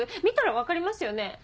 見たら分かりますよね？